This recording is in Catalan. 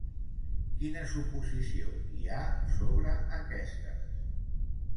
Quina suposició hi ha sobre aquestes?